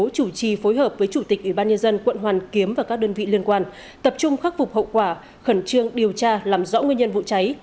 chủ trì phối hợp với chủ tịch ubnd quận hoàn kiếm và các đơn vị liên quan tập trung khắc phục hậu quả khẩn trương điều tra làm rõ nguyên nhân vụ cháy